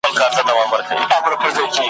ځواني مي خوب ته راولم جانانه هېر مي نه کې `